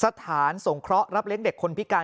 สถานสงเคราะห์รับเลี้ยงเด็กคนพิการ